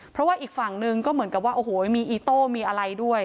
เพราะว่าอีกฝั่งหนึ่งก็เหมือนกับว่าโอ้โหมีอีโต้มีอะไรด้วย